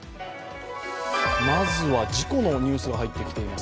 まずは事故のニュースが入ってきています。